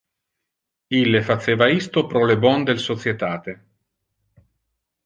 Ille faceva isto pro le bon del societate.